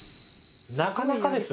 なかなかですね。